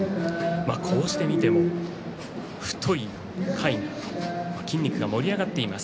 こうして見ていても太いかいな筋肉が盛り上がっています